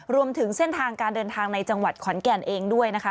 รวมถึงเส้นทางการเดินทางในจังหวัดขอนแก่นเองด้วยนะคะ